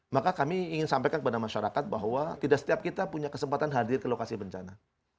maka kami ingin sampaikan kepada masyarakat bahwa tidak setiap kita punya kesempatan hadir ke lokasi bencana